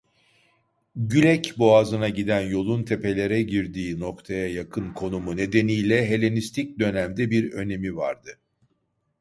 Gülek Boğazı'na giden yolun tepelere girdiği noktaya yakın konumu nedeniyle Helenistik Dönem'de bir önemi vardı.